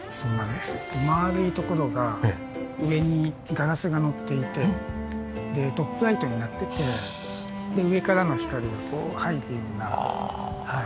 で丸いところが上にガラスがのっていてトップライトになっててで上からの光がこう入ってるようなはい。